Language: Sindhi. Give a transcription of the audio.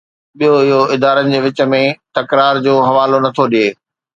ٻيو، اهو ادارن جي وچ ۾ تڪرار جو حوالو نٿو ڏئي.